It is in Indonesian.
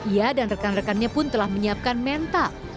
ia dan rekan rekannya pun telah menyiapkan mental